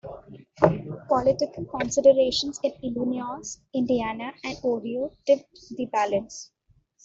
Political considerations in Illinois, Indiana, and Ohio tipped the balance.